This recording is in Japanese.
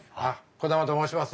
兒玉と申します。